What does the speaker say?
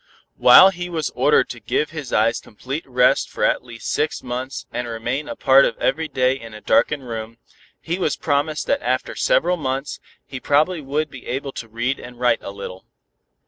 While he was ordered to give his eyes complete rest for at least six months and remain a part of every day in a darkened room, he was promised that after several months, he probably would be able to read and write a little.